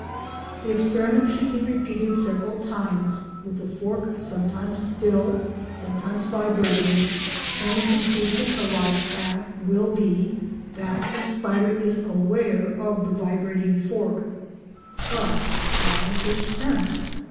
The experiment should be repeated several times with the fork sometimes still, sometimes vibrating, and the conclusion arrived at will be that the spider is aware of the vibrating fork—but by which sense?